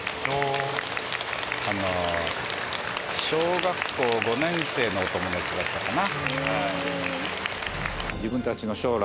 小学校５年生のお友達だったかな。